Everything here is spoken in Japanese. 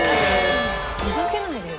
ふざけないでよ。